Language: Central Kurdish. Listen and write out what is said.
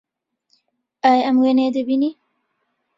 ئایا ئەم وێنەیە دەبینی؟